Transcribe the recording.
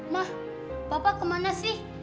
ma papa kemana sih